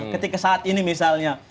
ketika saat ini misalnya